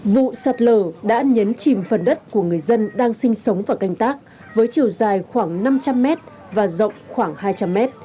vụ sạt lở đã nhấn chìm phần đất của người dân đang sinh sống và canh tác với chiều dài khoảng năm trăm linh m và rộng khoảng hai trăm linh m